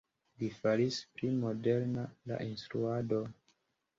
Li faris pli moderna la instruadon.